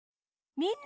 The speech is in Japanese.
みんな！